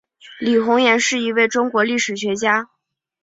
李洪岩是一位中国历史学家。